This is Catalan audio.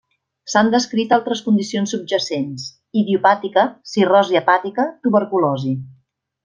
S'han descrit altres condicions subjacents: idiopàtica, cirrosi hepàtica, tuberculosi.